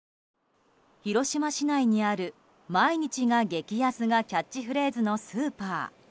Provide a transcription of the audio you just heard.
広島市内にある毎日が激安がキャッチフレーズのスーパー。